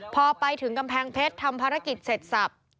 พอไปถึงกำแพงเพชรทำภารกิจเสร็จสับ